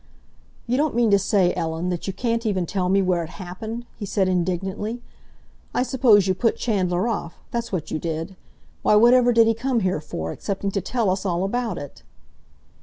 "You don't mean to say, Ellen, that you can't even tell me where it happened?" he said indignantly. "I suppose you put Chandler off—that's what you did! Why, whatever did he come here for, excepting to tell us all about it?"